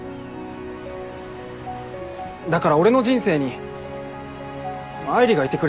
だから俺の人生に愛梨がいてくれないと困る。